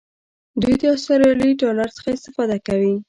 دوی د آسترالیایي ډالر څخه استفاده کوي.